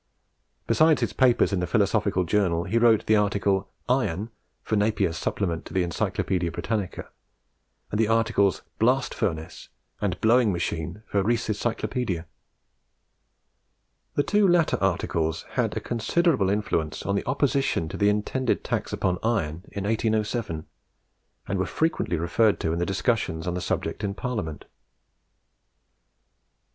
Besides his papers in the Philosophical Journal, he wrote the article "Iron" for Napiers Supplement to the Encyclopaedia Britannica; and the articles "Blast Furnace" and "Blowing Machine" for Rees's Cyclopaedia. The two latter articles had a considerable influence on the opposition to the intended tax upon iron in 1807, and were frequently referred to in the discussions on the subject in Parliament. Mr.